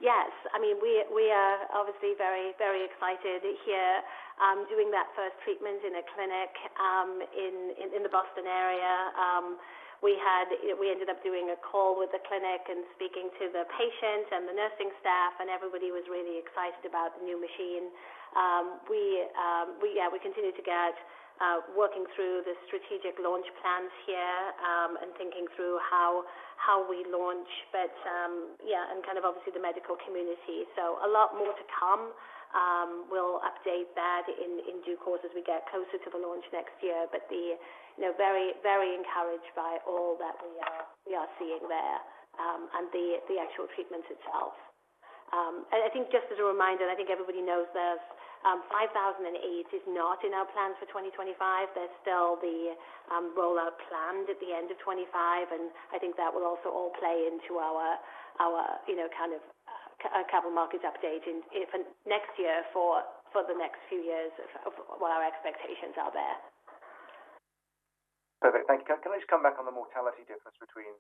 Yes. I mean, we are obviously very, very excited here doing that first treatment in a clinic in the Boston area. We ended up doing a call with the clinic and speaking to the patient and the nursing staff, and everybody was really excited about the new machine. Yeah, we continue to get working through the strategic launch plans here and thinking through how we launch, but yeah, and kind of obviously the medical community. So a lot more to come. We'll update that in due course as we get closer to the launch next year, but very encouraged by all that we are seeing there and the actual treatments itself. And I think just as a reminder, and I think everybody knows the 5008 is not in our plans for 2025. There's still the rollout planned at the end of 2025, and I think that will also all play into our kind of capital markets update next year for the next few years of what our expectations are there. Perfect. Thank you. Can I just come back on the mortality difference between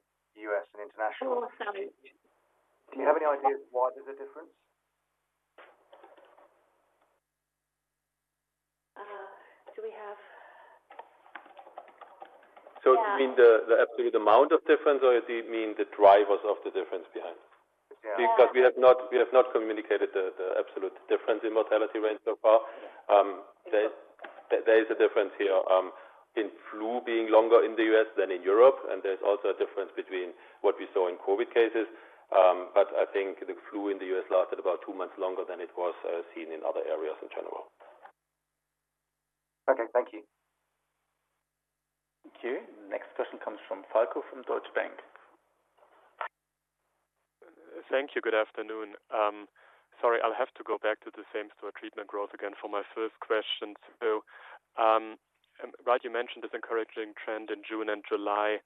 U.S. and international? Oh, sorry. Do you have any idea why there's a difference? Do we have? So do you mean the absolute amount of difference, or do you mean the drivers of the difference behind? Because we have not communicated the absolute difference in mortality range so far. There is a difference here in flu being longer in the U.S. than in Europe, and there's also a difference between what we saw in COVID cases. But I think the flu in the U.S. lasted about two months longer than it was seen in other areas in general. Okay. Thank you. Thank you. Next question comes from Falko from Deutsche Bank. Thank you. Good afternoon. Sorry, I'll have to go back to the same-market treatment growth again for my first question. So right, you mentioned this encouraging trend in June and July.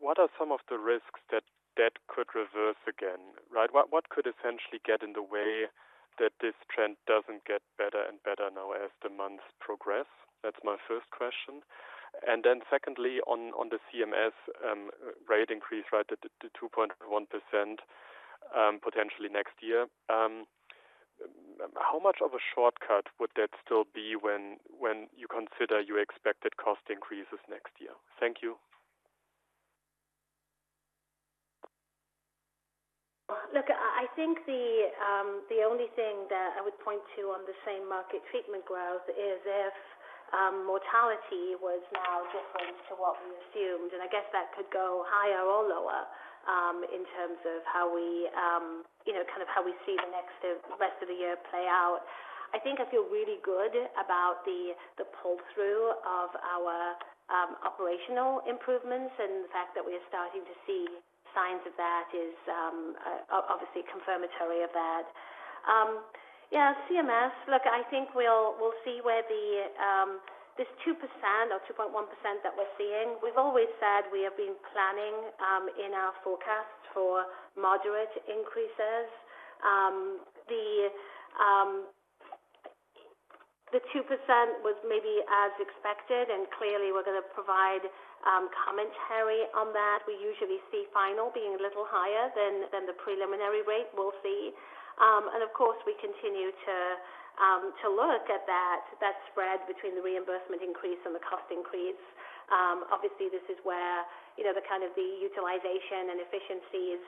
What are some of the risks that could reverse again? What could essentially get in the way that this trend doesn't get better and better now as the months progress? That's my first question. And then secondly, on the CMS rate increase, right, the 2.1% potentially next year, how much of a shortcut would that still be when you consider your expected cost increases next year? Thank you. Look, I think the only thing that I would point to on the same market treatment growth is if mortality was now different to what we assumed. I guess that could go higher or lower in terms of how we kind of see the rest of the year play out. I think I feel really good about the pull-through of our operational improvements and the fact that we are starting to see signs of that is obviously confirmatory of that. Yeah, CMS, look, I think we'll see where this 2% or 2.1% that we're seeing. We've always said we have been planning in our forecast for moderate increases. The 2% was maybe as expected, and clearly we're going to provide commentary on that. We usually see final being a little higher than the preliminary rate we'll see. Of course, we continue to look at that spread between the reimbursement increase and the cost increase. Obviously, this is where kind of the utilization and efficiencies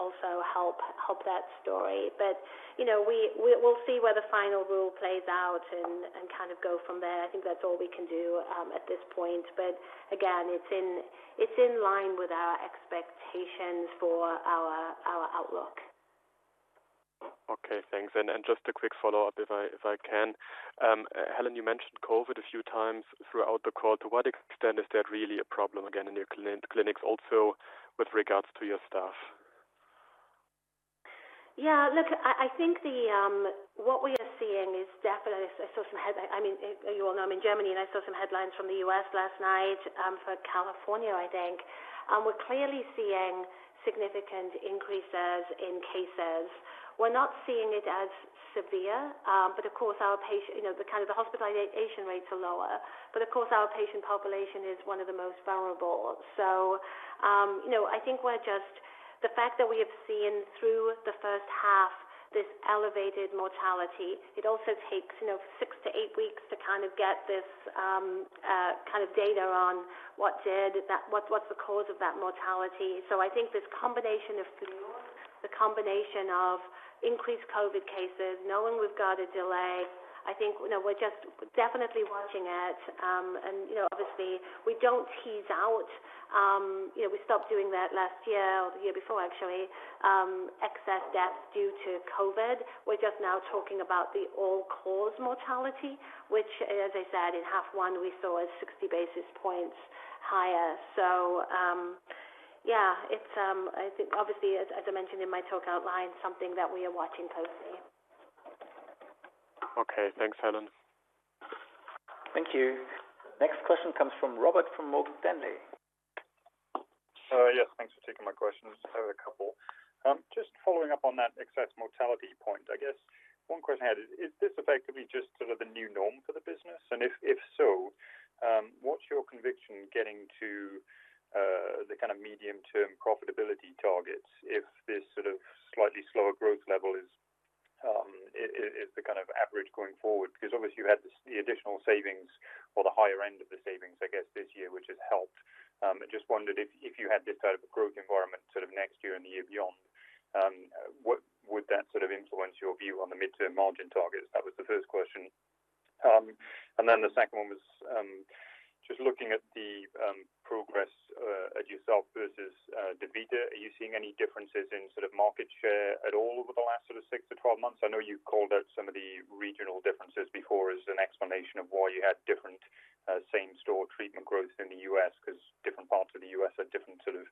also help that story. But we'll see where the final rule plays out and kind of go from there. I think that's all we can do at this point. But again, it's in line with our expectations for our outlook. Okay. Thanks. And just a quick follow-up, if I can. Helen, you mentioned COVID a few times throughout the call. To what extent is that really a problem again in your clinics, also with regards to your staff? Yeah. Look, I think what we are seeing is definitely. I saw some headlines. I mean, you all know I'm in Germany, and I saw some headlines from the U.S. last night for California, I think. We're clearly seeing significant increases in cases. We're not seeing it as severe, but of course, our patient kind of the hospitalization rates are lower. But of course, our patient population is one of the most vulnerable. So I think we're just the fact that we have seen through the first half this elevated mortality. It also takes six to eight weeks to kind of get this kind of data on what's the cause of that mortality. So I think this combination of flu, the combination of increased COVID cases, knowing we've got a delay, I think we're just definitely watching it. Obviously, we don't tease out. We stopped doing that last year or the year before, actually, excess deaths due to COVID. We're just now talking about the all-cause mortality, which, as I said, in half one, we saw is 60 basis points higher. So yeah, I think obviously, as I mentioned in my talk outline, something that we are watching closely. Okay. Thanks, Helen. Thank you. Next question comes from Robert from Morgan Stanley. Yes. Thanks for taking my questions. I have a couple. Just following up on that excess mortality point, I guess, one question I had is, is this effectively just sort of the new norm for the business? And if so, what's your conviction getting to the kind of medium-term profitability targets if this sort of slightly slower growth level is the kind of average going forward? Because obviously, you had the additional savings or the higher end of the savings, I guess, this year, which has helped. I just wondered if you had this type of growth environment sort of next year and the year beyond, would that sort of influence your view on the mid-term margin targets? That was the first question. And then the second one was just looking at the progress as yourself versus DaVita. Are you seeing any differences in sort of market share at all over the last sort of six to 12 months? I know you called out some of the regional differences before as an explanation of why you had different same-store treatment growth in the U.S. because different parts of the U.S. have different sort of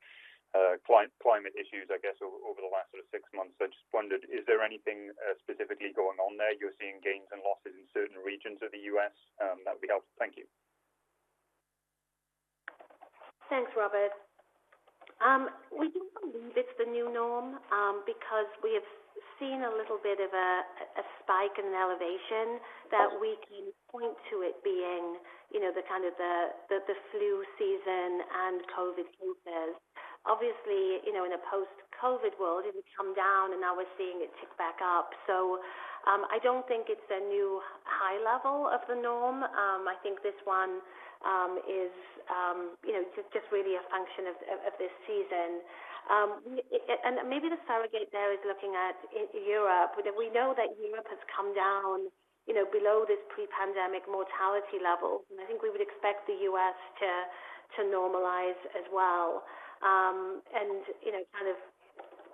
climate issues, I guess, over the last sort of six months. I just wondered, is there anything specifically going on there? You're seeing gains and losses in certain regions of the U.S.? That would be helpful. Thank you. Thanks, Robert. We do believe it's the new norm because we have seen a little bit of a spike and an elevation that we can point to it being the kind of the flu season and COVID cases. Obviously, in a post-COVID world, it would come down, and now we're seeing it tick back up. So I don't think it's a new high level of the norm. I think this one is just really a function of this season. And maybe to surrogate there is looking at Europe. We know that Europe has come down below this pre-pandemic mortality level, and I think we would expect the U.S. to normalize as well. And kind of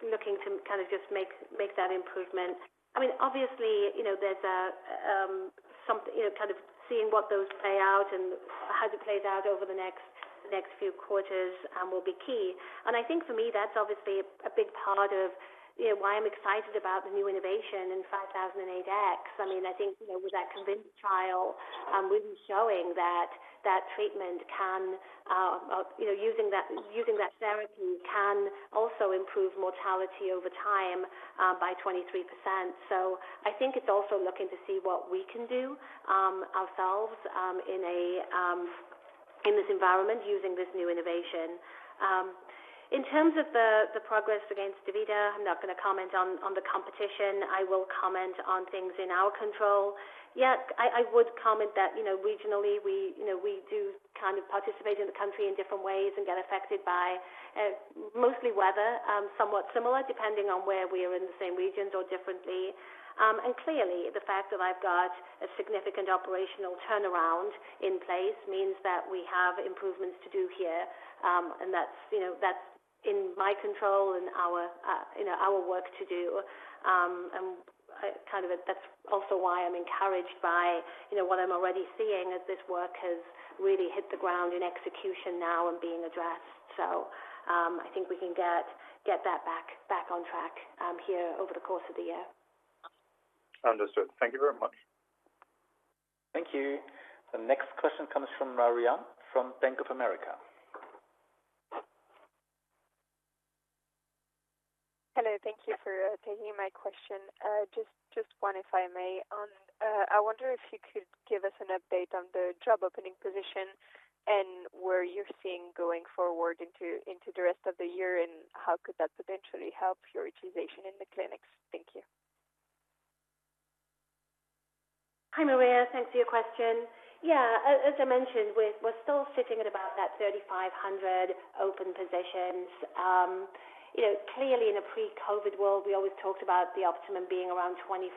looking to kind of just make that improvement. I mean, obviously, there's kind of seeing what those play out and how it plays out over the next few quarters will be key. I think for me, that's obviously a big part of why I'm excited about the new innovation in 5008X. I mean, I think with that CONVINCE trial, we've been showing that that treatment can using that therapy can also improve mortality over time by 23%. So I think it's also looking to see what we can do ourselves in this environment using this new innovation. In terms of the progress against DaVita, I'm not going to comment on the competition. I will comment on things in our control. Yeah, I would comment that regionally, we do kind of participate in the country in different ways and get affected by mostly weather, somewhat similar depending on where we are in the same regions or differently. Clearly, the fact that I've got a significant operational turnaround in place means that we have improvements to do here, and that's in my control and our work to do. Kind of that's also why I'm encouraged by what I'm already seeing as this work has really hit the ground in execution now and being addressed. I think we can get that back on track here over the course of the year. Understood. Thank you very much. Thank you. The next question comes from Marianne from Bank of America. Hello. Thank you for taking my question. Just one, if I may. I wonder if you could give us an update on the job opening position and where you're seeing going forward into the rest of the year and how could that potentially help your utilization in the clinics? Thank you. Hi, Maria. Thanks for your question. Yeah. As I mentioned, we're still sitting at about that 3,500 open positions. Clearly, in a pre-COVID world, we always talked about the optimum being around 2,500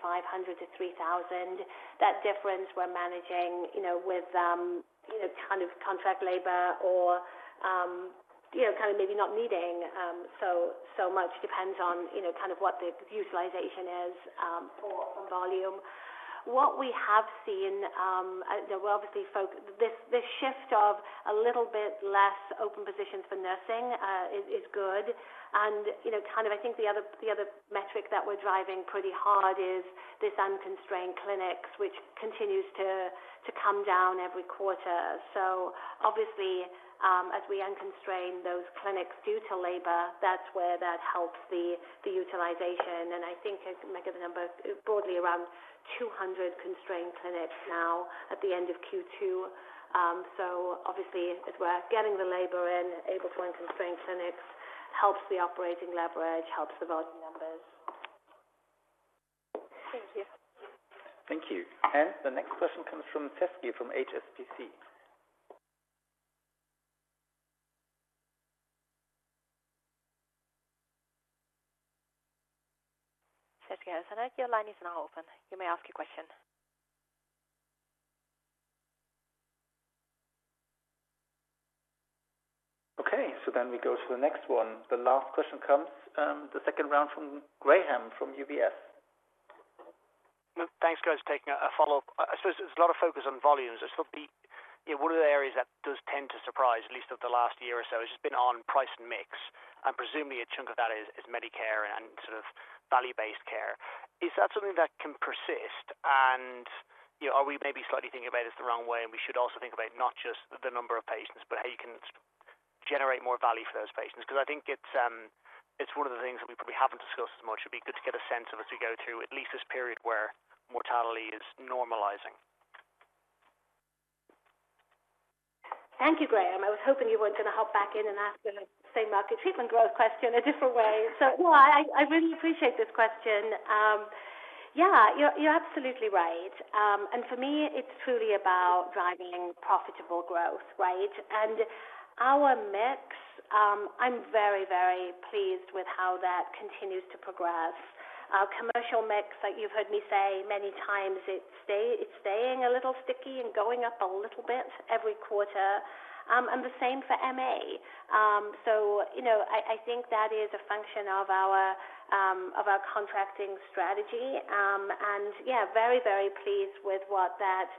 to 3,000. That difference we're managing with kind of contract labor or kind of maybe not needing so much depends on kind of what the utilization is for volume. What we have seen, we're obviously this shift of a little bit less open positions for nursing is good. And kind of I think the other metric that we're driving pretty hard is this constrained clinics, which continues to come down every quarter. So obviously, as we unconstrain those clinics due to labor, that's where that helps the utilization. And I think I can make up the number broadly around 200 constrained clinics now at the end of Q2. Obviously, as we're getting the labor in, able to unconstrain clinics helps the operating leverage, helps the volume numbers. Thank you. Thank you. The next question comes from Sezgi from HSBC. Tesco, I'll say that your line is now open. You may ask your question. Okay. So then we go to the next one. The last question comes the second round from Graham from UBS. Thanks, guys, for taking a follow-up. I suppose there's a lot of focus on volumes. I suppose one of the areas that does tend to surprise, at least over the last year or so, has just been on price and mix. And presumably, a chunk of that is Medicare and sort of value-based care. Is that something that can persist? And are we maybe slightly thinking about it the wrong way? And we should also think about not just the number of patients, but how you can generate more value for those patients. Because I think it's one of the things that we probably haven't discussed as much. It'd be good to get a sense of as we go through at least this period where mortality is normalizing. Thank you, Graham. I was hoping you weren't going to hop back in and ask the same-market treatment growth question a different way. So no, I really appreciate this question. Yeah, you're absolutely right. And for me, it's truly about driving profitable growth, right? And our mix, I'm very, very pleased with how that continues to progress. Our commercial mix, like you've heard me say many times, it's staying a little sticky and going up a little bit every quarter. And the same for MA. So I think that is a function of our contracting strategy. And yeah, very, very pleased with what that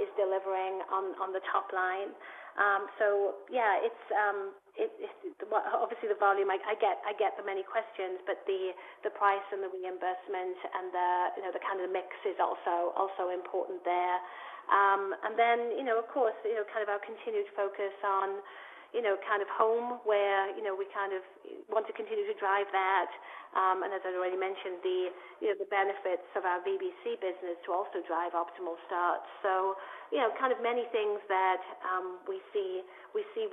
is delivering on the top line. So yeah, obviously, the volume, I get the many questions, but the price and the reimbursement and the kind of mix is also important there. And then, of course, kind of our continued focus on kind of home where we kind of want to continue to drive that. And as I already mentioned, the benefits of our VBC business to also drive optimal starts. So kind of many things that we see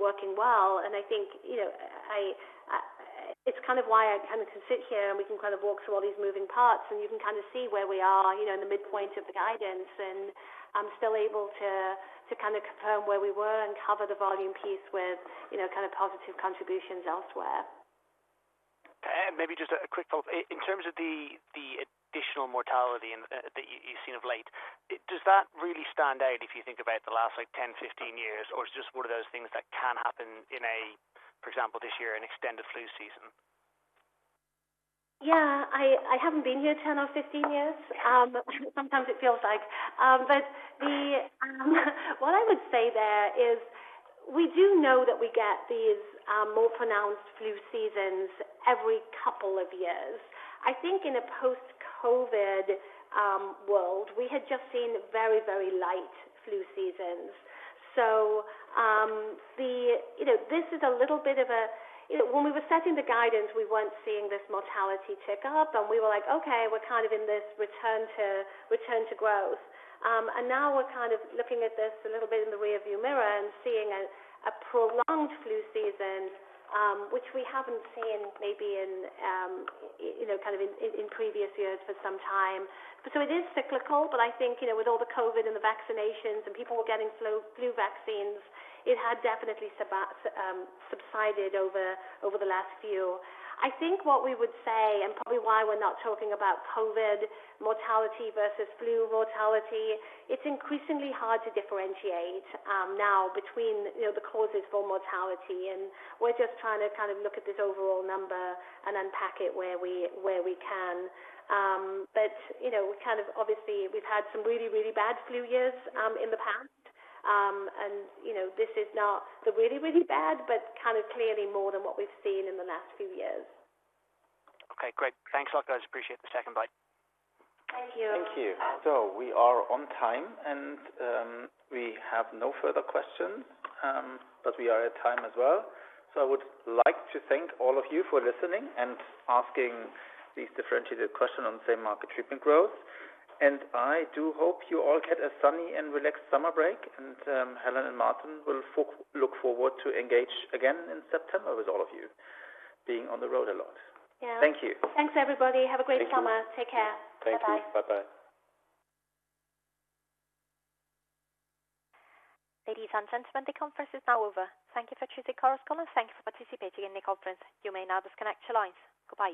working well. And I think it's kind of why I kind of can sit here and we can kind of walk through all these moving parts and you can kind of see where we are in the midpoint of the guidance. And I'm still able to kind of confirm where we were and cover the volume piece with kind of positive contributions elsewhere. Maybe just a quick follow-up. In terms of the additional mortality that you've seen of late, does that really stand out if you think about the last 10, 15 years? Or is it just one of those things that can happen in a, for example, this year, an extended flu season? Yeah. I haven't been here 10 or 15 years. Sometimes it feels like. But what I would say there is we do know that we get these more pronounced flu seasons every couple of years. I think in a post-COVID world, we had just seen very, very light flu seasons. So this is a little bit of a when we were setting the guidance, we weren't seeing this mortality tick up. And we were like, "Okay, we're kind of in this return to growth." And now we're kind of looking at this a little bit in the rearview mirror and seeing a prolonged flu season, which we haven't seen maybe in kind of in previous years for some time. So it is cyclical, but I think with all the COVID and the vaccinations and people were getting flu vaccines, it had definitely subsided over the last few. I think what we would say, and probably why we're not talking about COVID mortality versus flu mortality, it's increasingly hard to differentiate now between the causes for mortality. And we're just trying to kind of look at this overall number and unpack it where we can. But kind of obviously, we've had some really, really bad flu years in the past. And this is not the really, really bad, but kind of clearly more than what we've seen in the last few years. Okay. Great. Thanks a lot, guys. Appreciate the second bye. Thank you. Thank you. So we are on time, and we have no further questions, but we are at time as well. So I would like to thank all of you for listening and asking these differentiated questions on the same-market treatment growth. And I do hope you all get a sunny and relaxed summer break. And Helen and Martin will look forward to engage again in September with all of you being on the road a lot. Thank you. Thanks, everybody. Have a great summer. Take care. Thanks. Bye-bye. Bye-bye. Ladies and gentlemen, the conference is now over. Thank you for choosing Chorus Call. Thank you for participating in the conference. You may now disconnect your lines. Please.